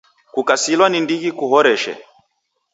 Kukasilwa ni ndighi kuhoreshe!